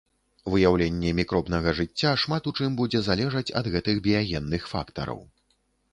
Выяўленне мікробнага жыцця шмат у чым будзе залежаць ад гэтых біягенных фактараў.